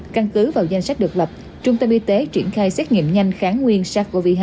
căn cứ vào danh sách được lập trung tâm y tế triển khai xét nghiệm nhanh kháng nguyên sars cov hai